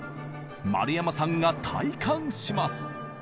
丸山さんが体感します。